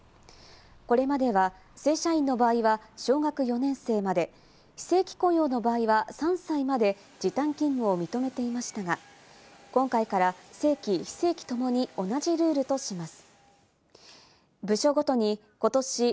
これまでは正社員の場合は小学４年生まで、非正規雇用の場合は３歳まで時短勤務を認めていましたが、今回から正規・非正規ともに同じ関東のお天気です。